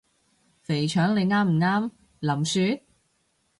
肥腸你啱唔啱？林雪？